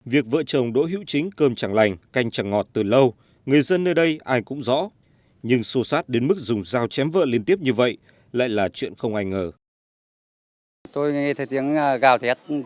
việc vợ chồng đỗ hữu chính cơm chẳng lành canh chẳng ngọt từ lâu người dân nơi đây ai cũng rõ nhưng sô sát đến mức dùng dao chém vợ liên tiếp như vậy lại là chuyện không ai ngờ